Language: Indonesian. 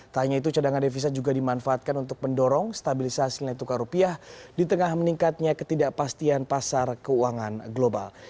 tak hanya itu cadangan devisa juga dimanfaatkan untuk mendorong stabilisasi nilai tukar rupiah di tengah meningkatnya ketidakpastian pasar keuangan global